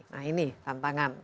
nah ini tantangan